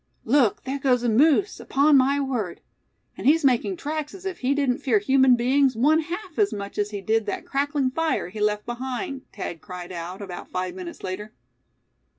"Look! there goes a moose, upon my word; and he's making tracks as if he didn't fear human beings one half as much as he did that crackling fire he left behind!" Thad cried out, about five minutes later.